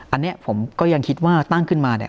อันนี้ผมก็ยังคิดว่าตั้งขึ้นมาเนี่ย